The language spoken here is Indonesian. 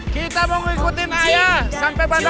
kita mau ngikutin ayah sampe bandara